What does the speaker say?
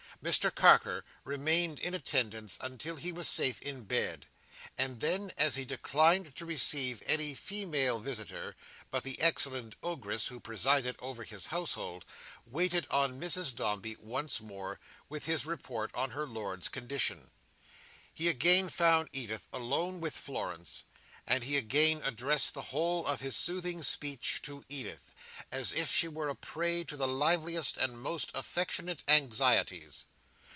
Mr Carker remained in attendance until he was safe in bed, and then, as he declined to receive any female visitor, but the excellent Ogress who presided over his household, waited on Mrs Dombey once more, with his report on her lord's condition. He again found Edith alone with Florence, and he again addressed the whole of his soothing speech to Edith, as if she were a prey to the liveliest and most affectionate anxieties.